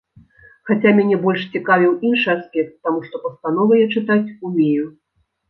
Хаця мяне больш цікавіў іншы аспект, таму што пастановы я чытаць умею.